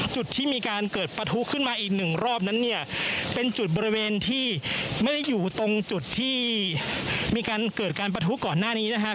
จุดที่มีการเกิดประทุขึ้นมาอีกหนึ่งรอบนั้นเนี่ยเป็นจุดบริเวณที่ไม่ได้อยู่ตรงจุดที่มีการเกิดการประทุก่อนหน้านี้นะครับ